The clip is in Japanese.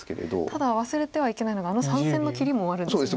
ただ忘れてはいけないのがあの３線の切りもあるんですね。